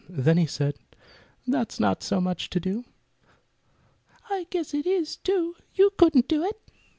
Then he said, "That's not so much to do." "I guess it is, too. You couldn't do it."